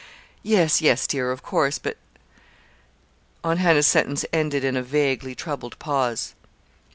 "Yes, yes, dear, of course; but " Aunt Hannah's sentence ended in a vaguely troubled pause.